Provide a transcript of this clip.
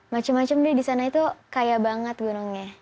macem macem deh di sana itu kaya banget gunungnya